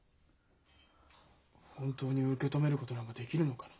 本当に受け止めることなんかできるのかな？